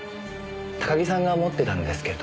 高木さんが持ってたんですけど。